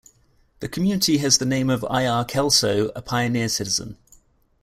The community has the name of I. R. Kelso, a pioneer citizen.